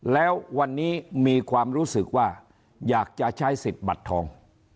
แล้ววันนี้มีความรู้สึกว่าอยากจะใช้สิทธิ์บัตรทอง